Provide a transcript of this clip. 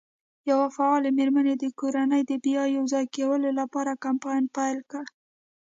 یوه فعالې مېرمن د کورنۍ د بیا یو ځای کولو لپاره کمپاین پیل کړ.